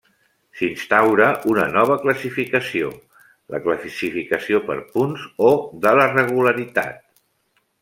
S'instaura una nova classificació: la classificació per punts o de la regularitat.